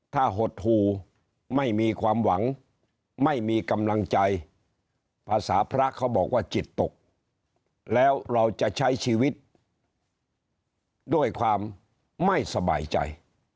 ถ้าหดหูไม่มีความหวังไม่มีกำลังใจภาษาพระเขาบอกว่าจิตตกแล้วเราจะใช้ชีวิตด้วยความไม่สบายใจ